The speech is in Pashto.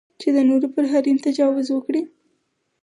چې د نورو پر حریم تجاوز وکړي.